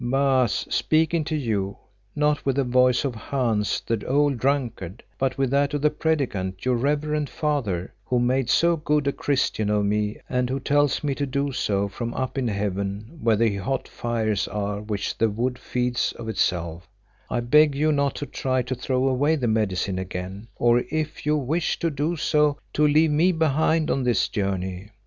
Baas, speaking to you, not with the voice of Hans the old drunkard, but with that of the Predikant, your reverend father, who made so good a Christian of me and who tells me to do so from up in Heaven where the hot fires are which the wood feeds of itself, I beg you not to try to throw away the Medicine again, or if you wish to do so, to leave me behind on this journey.